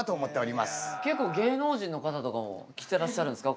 結構芸能人の方とかも来てらっしゃるんですか？